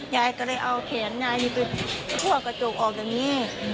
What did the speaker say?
ยายก็เลยเอาแขนยายไปทั่วกระจกออกอย่างนี้